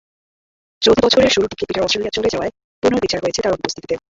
চলতি বছরের শুরুর দিকে পিটার অস্ট্রেলিয়া চলে যাওয়ায় পুনর্বিচার হয়েছে তাঁর অনুপস্থিতিতে।